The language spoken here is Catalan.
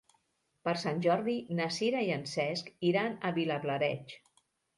Per Sant Jordi na Sira i en Cesc iran a Vilablareix.